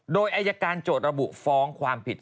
โดยอายการโจทย์ระบุฟ้องความผิด